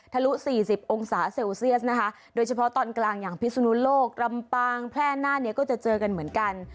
ลุ๔๐องศาเซลเซียสนะคะโดยเฉพาะตอนกลางอย่างพิศนุโลกลำปางแพร่น่านเนี่ยก็จะเจอกันเหมือนกัน